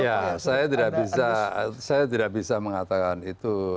ya saya tidak bisa saya tidak bisa mengatakan itu